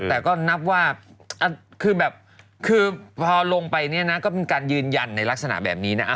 แต่ก็นับว่าคือแบบคือพอลงไปเนี่ยนะก็เป็นการยืนยันในลักษณะแบบนี้นะ